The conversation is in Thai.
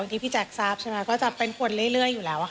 ที่พี่แจ๊คทราบใช่ไหมก็จะเป็นคนเรื่อยอยู่แล้วค่ะ